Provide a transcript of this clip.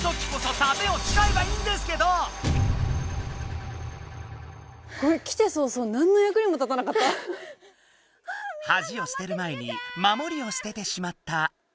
はじを捨てる前にまもりを捨ててしまった。